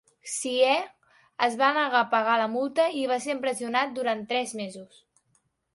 Hsieh es va negar a pagar la multa i va ser empresonat durant tres mesos.